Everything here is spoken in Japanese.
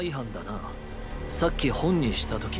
さっき「本にした時」